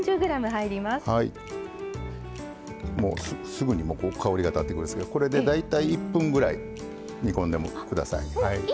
すぐに香りが立ってくるんですけどこれで、大体１分ぐらい煮込んでください。